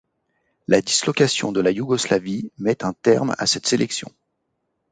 La dislocation de la Yougoslavie met un terme à cette sélection.